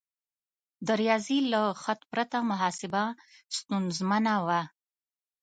د ریاضي له خط پرته محاسبه ستونزمنه وه.